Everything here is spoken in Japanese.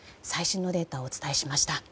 最新のデータをお伝えしました。